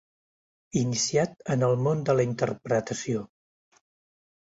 Iniciat en el món de la interpretació.